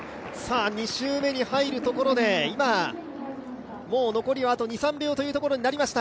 ２周目に入るところでもう残り２３秒というところになりました。